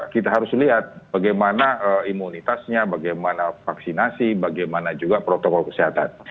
kita harus lihat bagaimana imunitasnya bagaimana vaksinasi bagaimana juga protokol kesehatan